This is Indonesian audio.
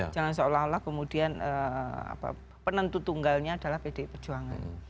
jangan seolah olah kemudian penentu tunggalnya adalah pdi perjuangan